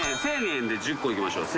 １，０００円で１０個いきましょう。